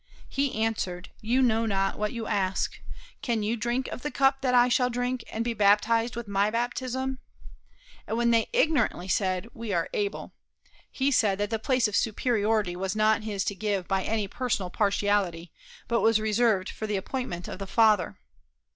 He answered: "You know not what you ask. Can you drink of the cup that I shall drink, and be baptized with my baptism?" And when they ignorantly said, "We are able," he said that the place of superiority was not his to give by any personal partiality, but was reserved for the appointment of the Father.